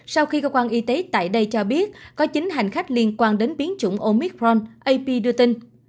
sau khi cơ quan y tế tại đây cho biết có chín hành khách liên quan đến biến chủng omicron ap đưa tin